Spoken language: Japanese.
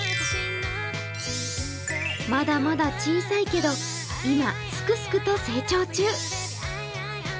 まだまだ小さいけど、今すくすくと成長中。